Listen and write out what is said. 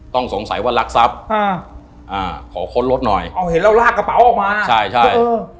ต้องสงสัยว่ารักทรัพย์ขอค้นรถหน่อยเห็นแล้วลากกระเป๋าออกมาใช่